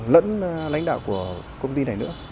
lẫn lãnh đạo của công ty này nữa